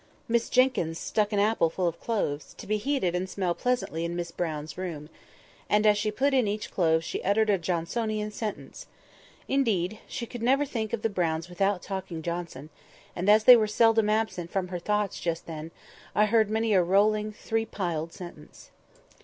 Miss Jenkyns stuck an apple full of cloves, to be heated and smell pleasantly in Miss Brown's room; and as she put in each clove she uttered a Johnsonian sentence. Indeed, she never could think of the Browns without talking Johnson; and, as they were seldom absent from her thoughts just then, I heard many a rolling, three piled sentence.